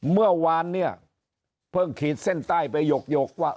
เมื่อวานเนี่ยเพิ่งขีดเส้นใต้ไปหยกว่า